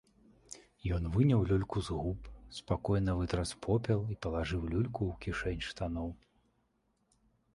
Ён выняў люльку з губ, спакойна вытрас попел і палажыў люльку ў кішэнь штаноў.